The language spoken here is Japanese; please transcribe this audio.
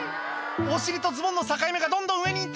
お尻とズボンの境目がどんどん上に行ってる！